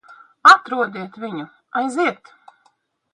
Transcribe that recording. Atrodiet viņu. Aiziet!